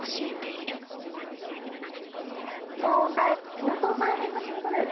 相当大変な仕事だよね。